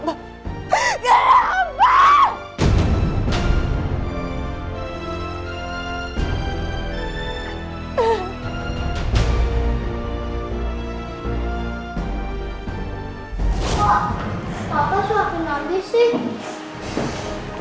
pak apa suapnya nabi sih